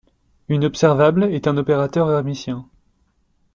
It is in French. Une observable est un opérateur hermitien.